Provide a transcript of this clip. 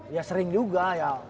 ya sering juga